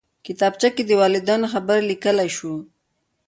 کتابچه کې د والدینو خبرې لیکلی شو